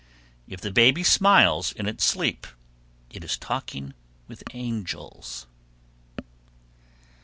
If the baby smiles in its sleep, it is talking with angels.